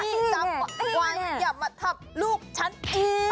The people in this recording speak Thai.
อย่ามาทำลูกฉันอีก